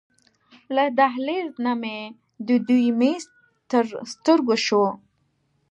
له دهلېز نه مې د دوی میز تر سترګو شو.